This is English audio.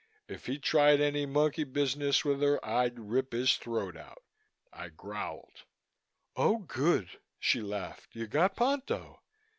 If he tried any monkey business with her, I'd rip his throat out. I growled. "Oh, good!" she laughed. "You got Ponto.